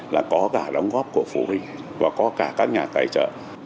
là có cả đóng góp của phụ huynh và có cả các nhà tài trợ